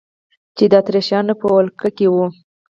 چې د اتریشیانو په ولقه کې وه.